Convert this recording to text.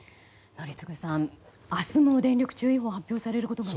宜嗣さん、明日も電力注意報が発表されると。